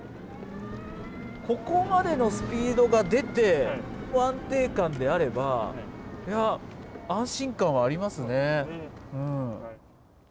ここまでのスピードが出て、安定感であれば、安心感はありますね。